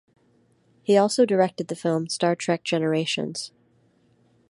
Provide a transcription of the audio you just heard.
He also directed the film "Star Trek Generations".